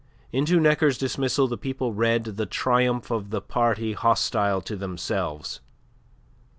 Into Necker's dismissal the people read the triumph of the party hostile to themselves.